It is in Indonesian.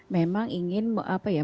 memang ingin memutuskan